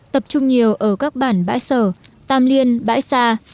tập trung nhiều ở các bản bãi sở tam liên bãi sa